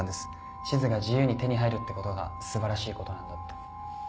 地図が自由に手に入るってことが素晴らしいことなんだって。